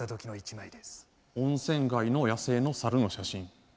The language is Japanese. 温泉街の野生の猿の写真。